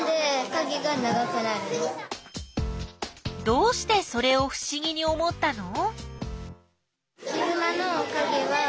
どうしてそれをふしぎに思ったの？